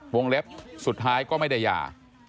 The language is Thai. วงเล็บสุดท้ายก็ไม่ได้ยา